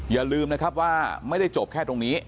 อย่าลืมนะครับว่าไม่ได้จบแค่ตรงนี้